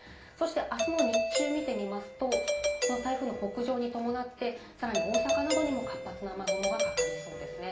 あすの日中を見てみますと、台風の北上に伴い、さらに大阪などにも活発な雨雲がかかりそうです。